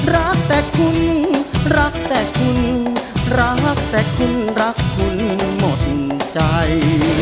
รักแต่คุณรักแต่คุณรักแต่คุณรักคุณหมดใจ